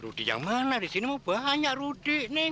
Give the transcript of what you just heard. rudy yang mana disini mah banyak rudy